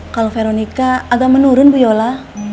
kalau veronica agak menurun bu yola